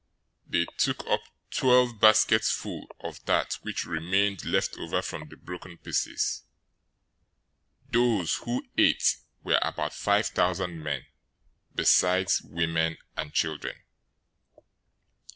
They took up twelve baskets full of that which remained left over from the broken pieces. 014:021 Those who ate were about five thousand men, besides women and children.